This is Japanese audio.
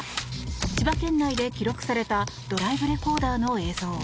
千葉県内で記録されたドライブレコーダーの映像。